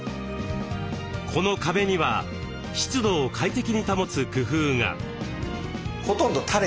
この壁には湿度を快適に保つ工夫が。